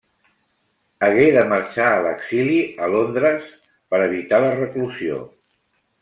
Hagué de marxar a l'exili a Londres per evitar la reclusió.